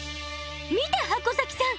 見て箱崎さん！